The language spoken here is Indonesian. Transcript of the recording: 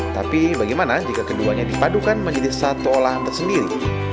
tapi bagaimana jika keduanya dipadukan menjadi satu olahan tersendiri